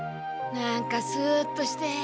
なんかスッとして。